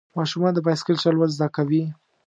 ماشومان د بایسکل چلول زده کوي.